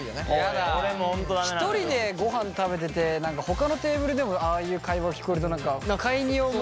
一人でごはん食べてて何かほかのテーブルでもああいう会話が聞こえると何か不快に思うっていうか。